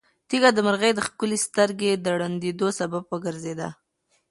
تیږه د مرغۍ د ښکلې سترګې د ړندېدو سبب وګرځېده.